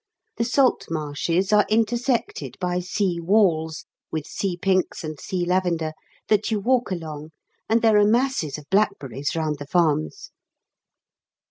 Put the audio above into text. The salt marshes are intersected by sea walls with sea pinks and sea lavender that you walk along, and there are masses of blackberries round the farms.